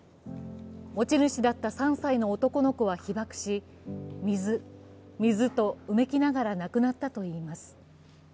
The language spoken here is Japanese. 持ち主だった３歳の男の子は被爆し「水、水」と、うめきながら亡くなったといいます。